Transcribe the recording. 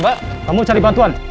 mbak kamu cari bantuan